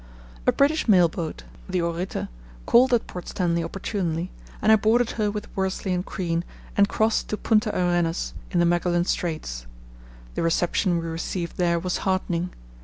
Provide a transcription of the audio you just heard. A British mail boat, the Orita called at Port Stanley opportunely, and I boarded her with Worsley and Crean and crossed to Punta Arenas in the Magellan Straits. The reception we received there was heartening.